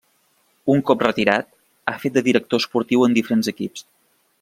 Un cop retirat, ha fet de director esportiu en diferents equips.